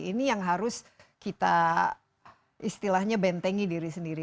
ini yang harus kita istilahnya bentengi diri sendiri